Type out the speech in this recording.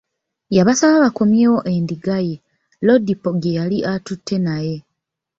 Yabasaba bakomyewo endiga ye, Lodipo gye yali atutte naye.